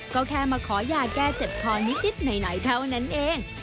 ก็แค่มาขอยาแก้เจ็บคอนิดหน่อยเท่านั้นเอง